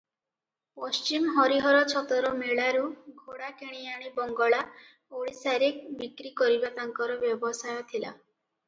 ପଶ୍ଚିମ ହରିହର ଛତର ମେଳାରୁ ଘୋଡ଼ା କିଣିଆଣି ବଙ୍ଗଳା, ଓଡ଼ିଶାରେ ବିକ୍ରି କରିବା ତାଙ୍କର ବ୍ୟବସାୟ ଥିଲା ।